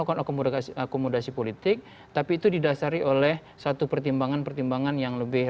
ini masih kita coba pegawai